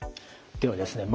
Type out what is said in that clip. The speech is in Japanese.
ではですね